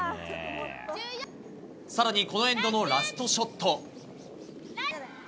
さらにこのエンドのラストショット。